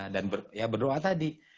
dan ya berdoa tadi